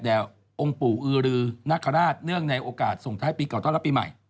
องค์ปู่อือรือนคราชเนื่องในโอกาสส่งท้ายปีเก่าต้อนรับปีใหม่